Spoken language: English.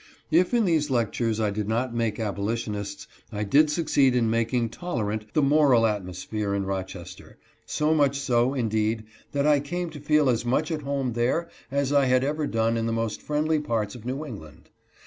If in these lectures I did not make abolition ists, I did succeed in making tolerant the moral atmos phere in Rochester ; so much so, indeed, that I came to feel as much at home there as I had ever done in the most friendly parts of New England.